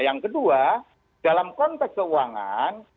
yang kedua dalam konteks keuangan